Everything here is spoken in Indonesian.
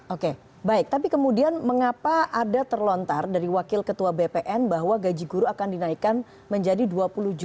oke baik tapi kemudian mengapa ada terlontar dari wakil ketua bpn bahwa gaji guru akan dinaikkan menjadi rp dua puluh juta